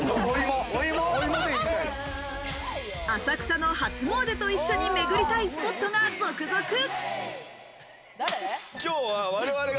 浅草の初詣と一緒にめぐりたいスポットが続々。